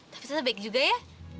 tapi ternyata baik juga ya